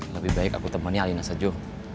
lebih baik aku temannya alina sejuk